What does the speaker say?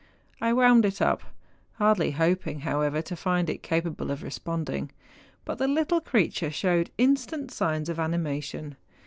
I wound it up, hardly hoping, however, to find it capable of responding; but the little creature showed instant signs of anima¬ tion.